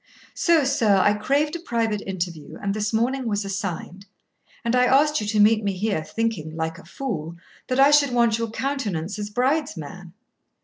So, sir, I craved a private interview, and this morning was assigned; and I asked you to meet me here, thinking, like a fool, that I should want your countenance as bride's man.